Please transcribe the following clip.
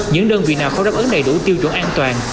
những đơn vị nào không đáp ứng đầy đủ tiêu chuẩn an toàn